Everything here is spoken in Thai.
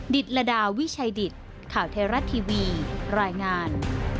ดิดละดาวิชัยดิดข่าวเทราะด์ทีวีรายงาน